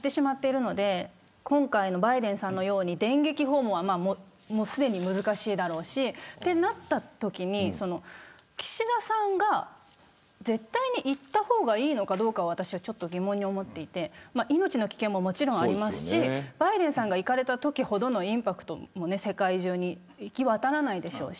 今回のバイデンさんのように電撃訪問は難しいだろうしそうなったときに岸田さんが絶対に行った方がいいのかどうか私は疑問に思っていて命の危険もありますしバイデンさんが行かれたときほどのインパクトも世界中に行き渡らないでしょうし。